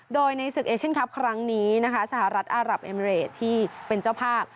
โดยในศึกเอเชียนคลับครั้งนี้นะคะสหรัฐอารับเอมิเรดที่เป็นเจ้าภาพ